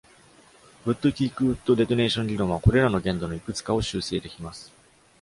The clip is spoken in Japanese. Wood-Kirkwood デトネーション理論は、これらの限度のいくつかを修正できます。